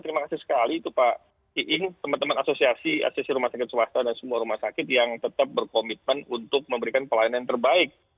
terima kasih sekali itu pak iing teman teman asosiasi asesi rumah sakit swasta dan semua rumah sakit yang tetap berkomitmen untuk memberikan pelayanan yang terbaik